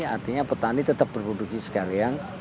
artinya petani tetap berproduksi sekalian